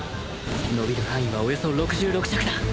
伸びる範囲はおよそ６６尺だ！